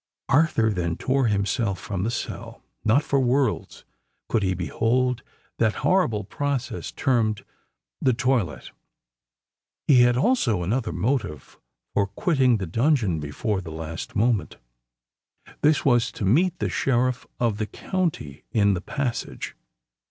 Arthur then tore himself from the cell:—not for worlds could he behold that horrible process termed the toilette. He had also another motive for quitting the dungeon before the last moment:—this was to meet the Sheriff of the County in the passage.